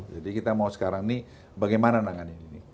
jadi kita mau sekarang ini bagaimana nangani ini